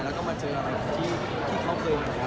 แล้วก็มาเจออะไรที่เค้าเคยเห็น